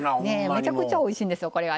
めちゃくちゃおいしいんです、これが。